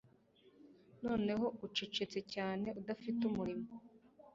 Noneho ucecetse cyane udafite umuriro